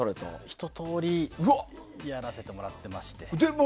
ひと通りやらせてもらってまして。